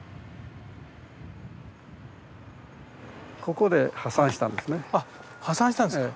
ここで破産したんですね。